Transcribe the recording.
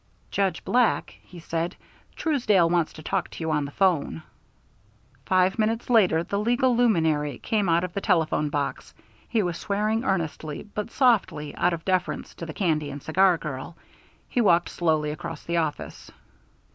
"Judge Black," he said, "Truesdale wants to talk to you on the 'phone." Five minutes later the legal luminary came out of the telephone box. He was swearing earnestly, but softly, out of deference to the candy and cigar girl. He walked slowly across the office.